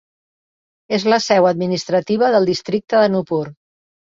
És la seu administrativa del districte d'Anuppur.